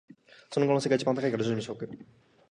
その可能性が一番高いから準備しておく